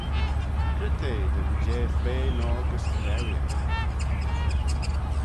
Cre t'eh dy leeideil bea noa gys craueeaght?